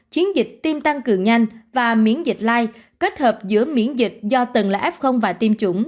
chiến dịch tiêm tăng cường nhanh và miễn dịch lai kết hợp giữa miễn dịch do từng là f và tiêm chủng